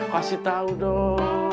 kasih tau dong